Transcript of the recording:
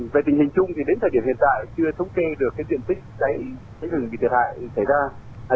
về tình hình chung thì đến thời điểm hiện tại chưa thống kê được diện tích cháy rừng bị thiệt hại xảy ra